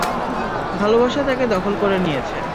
ভালবাসা তাকে দখল করে নিয়েছে।